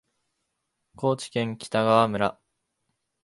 高知県北川村